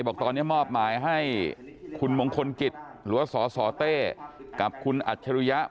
บอกตอนนี้มอบหมายให้คุณมงคลกิจหรือว่าสสเต้กับคุณอัจฉริยะ